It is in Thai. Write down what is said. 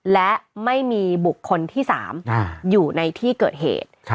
และไม่มีบุคคลที่๓อยู่ในที่เกิดเหตุ